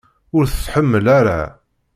Ur t-tḥemmel ara.